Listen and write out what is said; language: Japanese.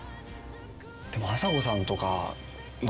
あさこさんとか。